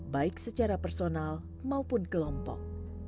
baik secara personal maupun kelompok